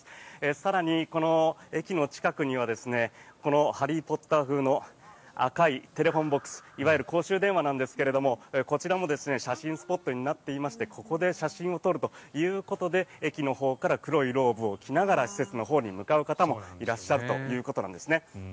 更に、この駅の近くには「ハリー・ポッター」風の赤いテレフォンボックスいわゆる公衆電話なんですがこちらも写真スポットになっていましてここで写真を撮るということで駅のほうから黒いローブを着ながら施設のほうへ向かう方もいらっしゃるということなんですね。